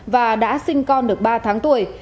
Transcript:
và đã sinh con được ba tháng tuổi